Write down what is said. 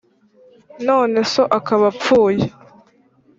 none so akaba apfuye,